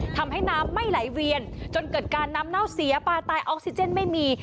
ทำให้น้ำไม่ไหลเวียนจนเกิดการน้ำเน่าเสียปลาตายออกซิเจนไม่มี